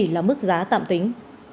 là mức giá tạm tính